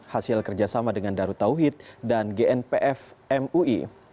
hasil kerjasama dengan darut tauhid dan gnpf mui